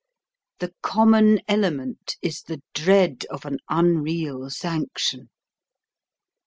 The common element is the dread of an unreal sanction.